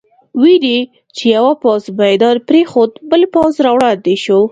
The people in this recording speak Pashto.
وینې چې یو پوځ میدان پرېښود، بل پوځ را وړاندې شو.